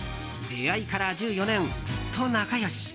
出会いから１４年ずっと仲良し。